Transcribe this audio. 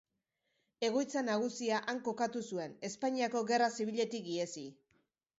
Egoitza nagusia han kokatu zuen, Espainiako Gerra Zibiletik ihesi.